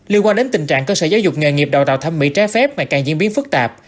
liên quan đến tình trạng cơ sở giáo dục nghề nghiệp đào tạo thâm mỹ trái phép ngày càng diễn biến phức tạp